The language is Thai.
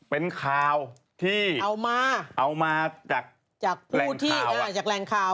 เป็นข่าวที่เอามาเอามาจากผู้ที่จากแรงข่าว